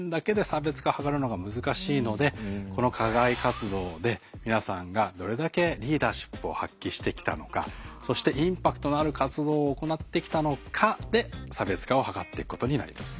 のでこの課外活動で皆さんがどれだけリーダーシップを発揮してきたのかそしてインパクトのある活動を行ってきたのかで差別化を図っていくことになります。